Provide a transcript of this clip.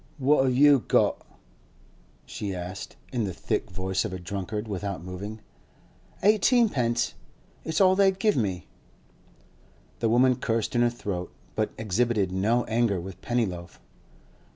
'What have you got?' she asked, in the thick voice of a drunkard, without moving. 'Eighteenpence; it's all they'd give me.' The woman cursed in her throat, but exhibited no anger with Pennyloaf.